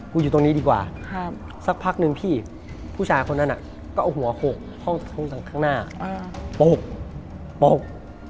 อยู่ตรงนี้ดีกว่าสักพักนึงพี่ผู้ชายคนนั้นก็เอาหัวโขกห้องข้างหน้าปกปก